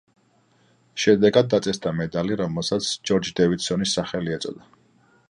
შედეგად დაწესდა მედალი, რომელსაც ჯორჯ დევიდსონის სახელი ეწოდა.